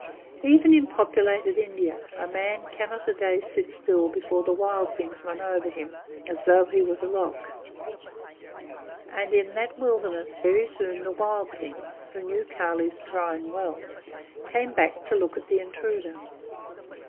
Even in populated India a man cannot a day sit still before the wild things run over him as though he were a rock; and in that wilderness very soon the wild things, who knew Kali's Shrine well, came back to look at the intruder.